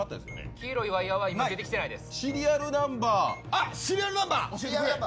黄色いワイヤーは出てきてないです。